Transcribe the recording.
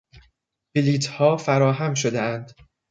بلیطها فراهم شدهاند.